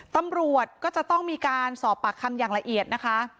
ตำรวจก็จะต้องมีการสอบปากคำอย่างละเอียดนะคะ